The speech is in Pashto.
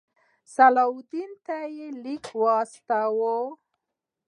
صلاح الدین ته یې لیک واستاوه.